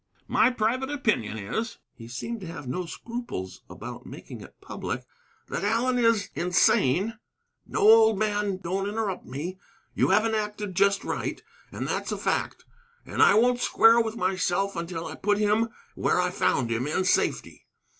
My private opinion is (he seemed to have no scruples about making it public) that Allen is insane. No, old man, don't interrupt me; but you haven't acted just right, and that's a fact. And I won't feel square with myself until I put him where I found him, in safety.